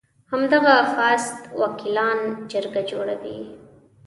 همدغه فاسد وکیلان جرګه جوړوي.